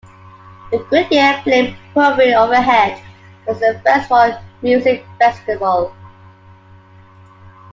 The Goodyear blimp hovering overhead was a first for a music festival.